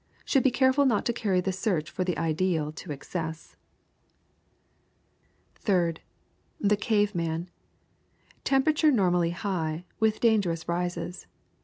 Should be careful not to carry the search for the ideal to excess. Third. The cave man. Temperature normally high, with dangerous rises.